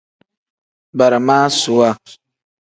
Baramaasuwa.